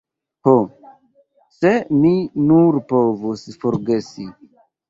Ho, se mi nur povus forgesi.